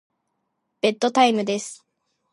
ベッドタイムです。